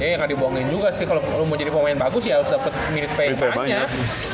ya nggak dibohongin juga sih kalau mau jadi pemain bagus harus dapet minute play banyak